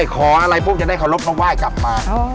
ขออะไรปุ๊บจะได้ขอรบนกว่ายกลับมา